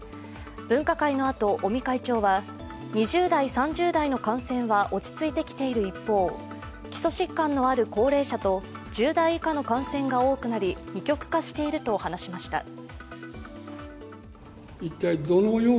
分科会のあと尾身会長は、２０代、３０代の感染は落ち着いてきている一方、基礎疾患のある高齢者と１０代以下の感染が多くなり二極化していると話しました。